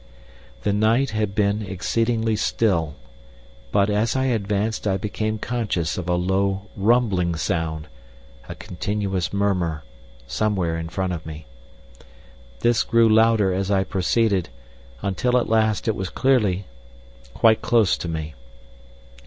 The night had been exceedingly still, but as I advanced I became conscious of a low, rumbling sound, a continuous murmur, somewhere in front of me. This grew louder as I proceeded, until at last it was clearly quite close to me.